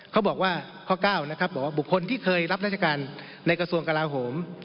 เขาบอกว่าข้อ๙นะครับบอกว่าบุคคลที่เคยรับราชการในกระทรวงกลาโหม